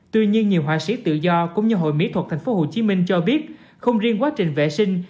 tuy nhiên nhiều họa sĩ tự do cũng như hội mỹ thuật tp hcm cho biết không riêng quá trình vệ sinh